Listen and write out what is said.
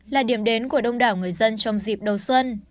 là điểm đến của đông đảo người dân trong dịp đầu xuân